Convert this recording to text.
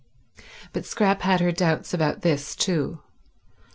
But Scrap had her doubts about this too.